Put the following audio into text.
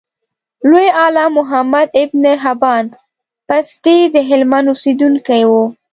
لوی عالم محمد ابن حبان بستي دهلمند اوسیدونکی و.